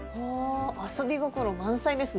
遊び心満載ですね。